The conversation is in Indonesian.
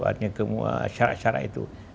artinya semua syarat syarat itu